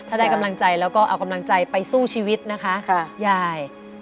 ถ้าได้กำลังใจแล้วก็เอากำลังใจไปสู้ชีวิตนะคะยาย